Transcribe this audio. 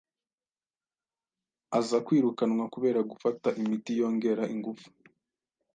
aza kwirukanwa kubera gufata imiti yongera ingufu